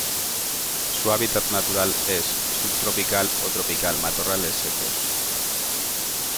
Su hábitat natural es: subtropical o tropical matorrales secos.